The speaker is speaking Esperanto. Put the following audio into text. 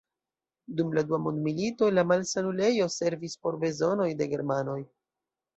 Dum la dua mondmilito la malsanulejo servis por bezonoj de germanoj.